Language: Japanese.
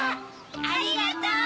ありがとう。